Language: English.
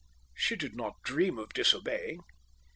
She did not dream of disobeying.